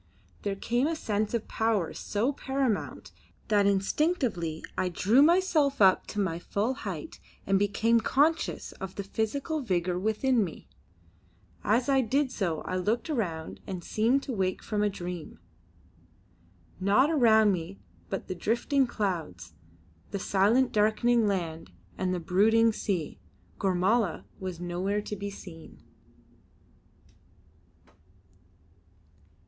There came a sense of power so paramount that instinctively I drew myself up to my full height and became conscious of the physical vigour within me. As I did so I looked around and seemed to wake from a dream. Naught around me but the drifting clouds, the silent darkening land and the brooding sea. Gormala was nowhere to be seen.